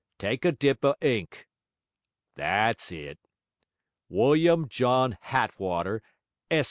'Tyke a dip of ink. That's it. William John Hattwater, Esq.